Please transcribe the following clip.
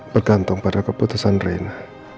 bergantung pada keputusan rena